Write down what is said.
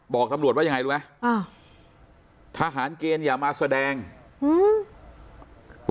บอกตำรวจว่ายังไงรู้ไหมอ่าทหารเกณฑ์อย่ามาแสดงอืม